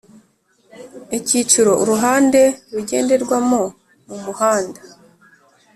Icyiciro uruhande rugenderwamo mu muhanda